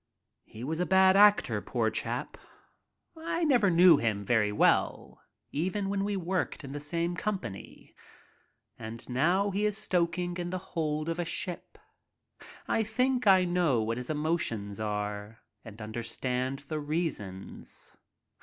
He was a bad actor, poor chap. I never knew him very well even when we worked in the same company. And now he is stoking in the hold of a ship. I think I know what his emotions are and understand the reasons.